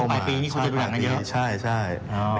อ๋อช่วงปลายปีนี่ชมชมภาพยนตร์น่ะเยอะ